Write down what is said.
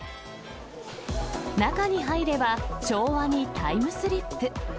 中に入れば、昭和にタイムスリップ。